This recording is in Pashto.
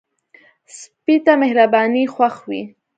سپي ته مهرباني خوښ وي.